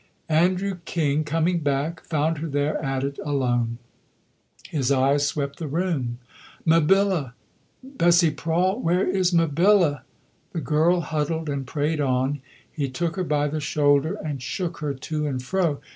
Andrew King, coming back, found her there at it, alone. His eyes swept the room. "Mabilla! Bessie Prawle, where is Mabilla?" The girl huddled and prayed on. He took her by the shoulder and shook her to and fro.